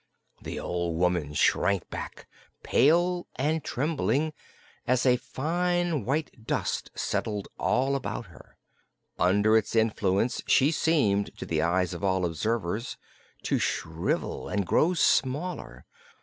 The old woman shrank back, pale and trembling, as a fine white dust settled all about her. Under its influence she seemed to the eyes of all observers to shrivel and grow smaller.